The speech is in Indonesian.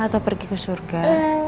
atau pergi ke surga